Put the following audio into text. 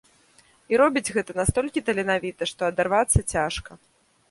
І робіць гэта настолькі таленавіта, што адарвацца цяжка.